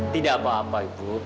tidak apa apa ibu